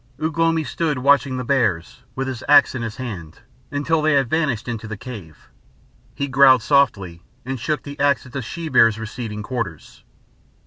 Ugh lomi stood watching the bears, with his axe in his hand, until they had vanished into the cave. He growled softly, and shook the axe at the she bear's receding quarters.